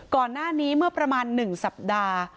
ก่อนหน้านี้เมื่อประมาณ๑สัปดาห์